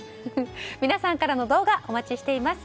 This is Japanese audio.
皆さんからの動画お待ちしています。